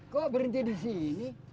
kok berhenti disini